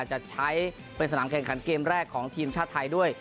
จะใช้เป็นสนามแข่งขันเกมแรกของทีมชาติไทยด้วย